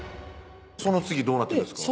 その次どうなっていくんですか？